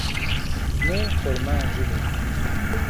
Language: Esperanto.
Ne formanĝu min!